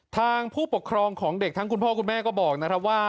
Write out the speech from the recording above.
ทางผู้ปกครองของเด็กทั้งคุณพ่อคุณแม่ก็บอกนะครับว่า